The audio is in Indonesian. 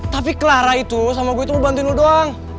tapi clara itu sama gue itu gue bantuin lo doang